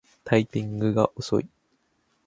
タイピングが遅い